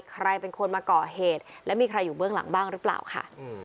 ใครเป็นคนมาก่อเหตุและมีใครอยู่เบื้องหลังบ้างหรือเปล่าค่ะ